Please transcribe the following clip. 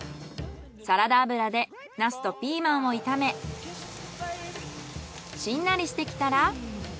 サラダ油でナスとピーマンを炒めしんなりしてきたら。